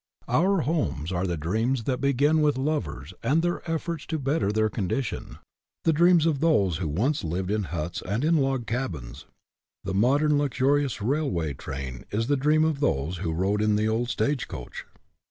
Our homes are the dreams that began with lovers and their efforts to better their condi tion; the dreams of those who once lived in huts and in log cabins. The modern luxurious railway train is the dream of those who rode in the old stage coach.